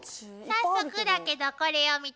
早速だけどこれを見て。